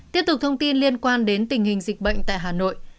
tiếp tục thông tin liên quan đến tình hình dịch bệnh tại hà nội